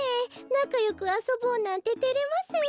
なかよくあそぼうなんててれますよ。